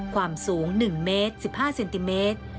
ความสูง๑เมตร๑๕เซนติเมตร